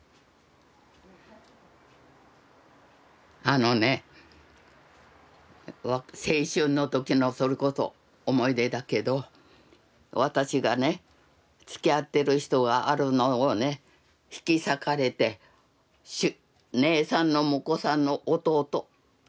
あのね青春の時のそれこそ思い出だけど私がねつきあってる人があるのをね引き裂かれて姉さんの婿さんの弟と一緒に無理やりに。